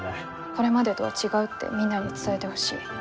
これまでとは違うってみんなに伝えてほしい。